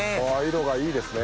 色がいいですね。